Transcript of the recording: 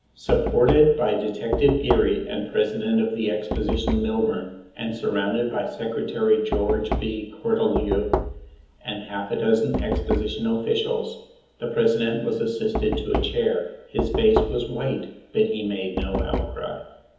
Supported by Detective Geary and President of the Exposition Milburn, and surrounded by Secretary George B. Cortelyou and half a dozen exposi tion officials, the President was assisted to a chair. His face was white, but he made no outcry.